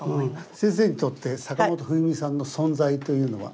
先生にとって坂本冬美さんの存在というのは？